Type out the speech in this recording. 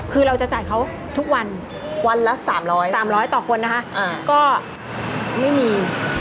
คือเราจะจ่ายเขาทุกวันวันละ๓๐๐๓๐๐ต่อคนนะคะก็ไม่มี